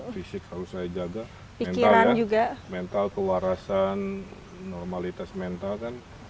fisik harus saya jaga mental kewarasan normalitas mental